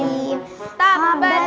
lagi ustadz fahri beli belah